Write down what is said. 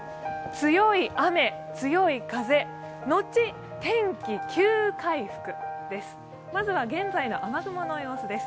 強い雨、強い風、のち天気急回復です。